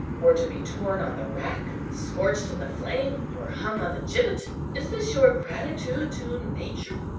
or to be torn on the rack, scorched in the flame, or hung on the gibbet? is this your gratitude to nature?